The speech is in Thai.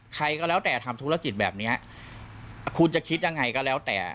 ใครก็แล้วแต่ทำธุรกิจแบบเนี้ยคุณจะคิดยังไงก็แล้วแต่